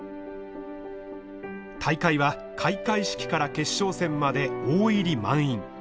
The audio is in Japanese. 大会は開会式から決勝戦まで大入り満員。